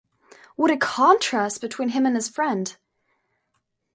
What a contrast between him and his friend!